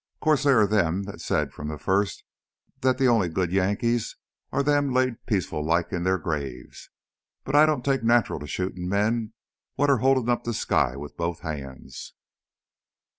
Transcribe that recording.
'Course theah are them what's said from the first that the only good Yankees are them laid peacefullike in their graves. But I don't take natural to shootin' men what are holdin' up the sky with both hands."